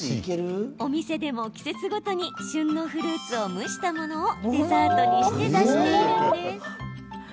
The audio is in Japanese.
お店でも季節ごとに旬のフルーツを蒸したものをデザートにして出しているんです。